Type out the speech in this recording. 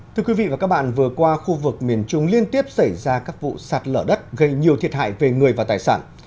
thưa quý vị và các bạn vừa qua khu vực miền trung liên tiếp xảy ra các vụ sạt lở đất gây nhiều thiệt hại về người và tài sản